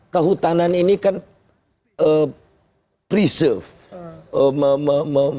kehutanan ini kan preserve